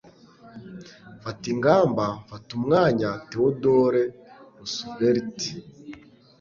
fata ingamba. fata umwanya. - theodore roosevelt